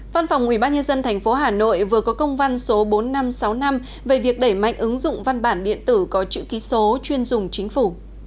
văn phòng ubnd tp hà nội vừa có công văn số bốn nghìn năm trăm sáu mươi năm về việc đẩy mạnh ứng dụng văn bản điện tử có chữ ký số chuyên dùng chính phủ